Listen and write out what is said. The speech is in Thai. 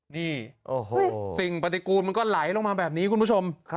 นี่สิ่งปฏิกูลมันก็ไหลลงมาแบบนี้คุณผู้ชม